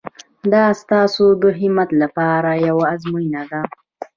دا ستاسو د همت لپاره یوه ازموینه ده.